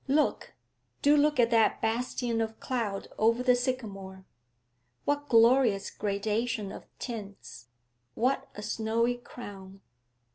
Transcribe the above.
Look, do look at that bastion of cloud over the sycamore! What glorious gradation of tints! What a snowy crown!'